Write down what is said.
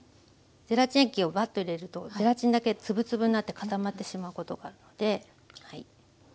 ゼラチン液をバッと入れるとゼラチンだけ粒々になって固まってしまうことがあってはい。